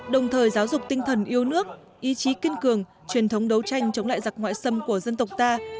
đồng thời giáo dục tinh thần yêu nước ý chí kiên cường truyền thống đấu tranh chống lại giặc ngoại xâm của dân tộc ta